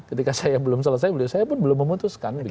ketika saya belum selesai beliau saya pun belum memutuskan